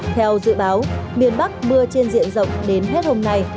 theo dự báo miền bắc mưa trên diện rộng đến hết hôm nay